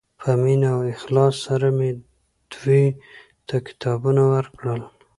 په مینه او اخلاص سره مې دوی ته کتابونه ورکړل.